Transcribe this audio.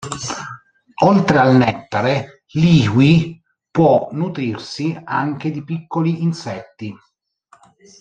Oltre al nettare, l'iiwi può nutrirsi anche di piccoli insetti.